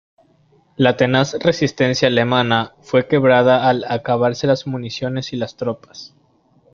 La tenaz resistencia alemana fue quebrada al acabarse las municiones y las tropas.